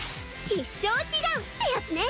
必勝祈願ってやつね。